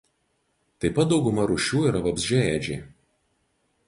Taip pat dauguma rūšių yra vabzdžiaėdžiai.